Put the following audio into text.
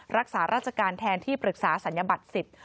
รักษาราชการแทนที่ปรึกษาศัลยบัตรสิทธิ์